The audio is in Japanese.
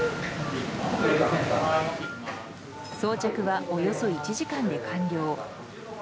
装着はおよそ１時間で完了。